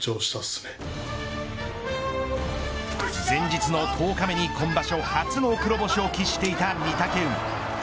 前日の１０日目に今場所初の黒星を喫していた御嶽海。